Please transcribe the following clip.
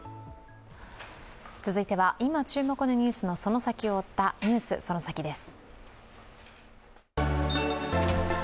続いては、今注目のニュースのその先を追った「ＮＥＷＳそのサキ！」です。